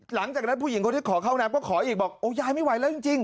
หลังจากนั้นผู้หญิงคนที่ขอเข้าน้ำก็ขออีกบอกโอ้ยายไม่ไหวแล้วจริง